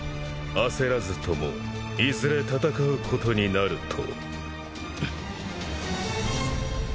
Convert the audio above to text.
焦らずともいずれ戦うことになると。